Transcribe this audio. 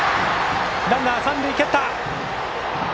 ランナーは三塁を蹴った！